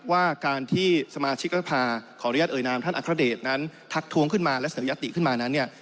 ว่าการที่สมาชิกรัฐภาขออนุญาตเอ่ยนามท่านอัครเดชนั้นทักทวงขึ้นมาและเสนอยัตติขึ้นมานั้นเนี่ย